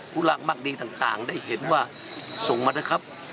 ผู้รักมักดีต่างได้เห็นว่าส่งมาเถอะครับ